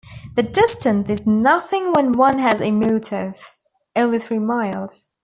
The distance is nothing when one has a motive; only three miles.